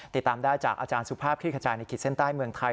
ติดตามได้จากอาจารย์สุภาพคลิกขจายในขีดเส้นใต้เมืองไทย